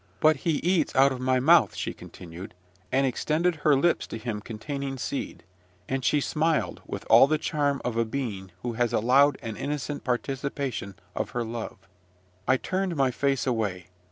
"But he eats out of my mouth," she continued, and extended her lips to him containing seed; and she smiled with all the charm of a being who has allowed an innocent participation of her love. I turned my face away.